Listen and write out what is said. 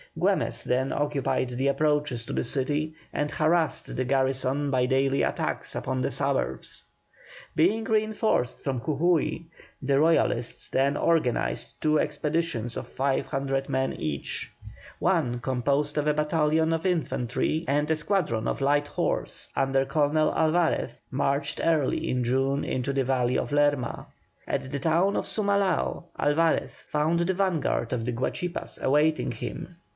Güemes then occupied the approaches to the city and harassed the garrison by daily attacks upon the suburbs. Being reinforced from Jujui, the Royalists then organised two expeditions of 500 men each. One, composed of a battalion of infantry and a squadron of light horse under Colonel Alvarez, marched early in June into the valley of Lerma. At the town of Sumalao, Alvarez found the vanguard of the Guachipas awaiting him.